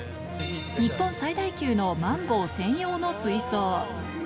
日本最大級のマンボウ専用の水槽。